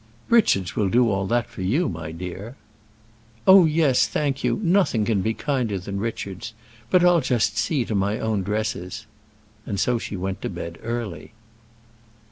"Richards will do all that for you, my dear." "Oh, yes, thank you, nothing can be kinder than Richards. But I'll just see to my own dresses." And so she went to bed early.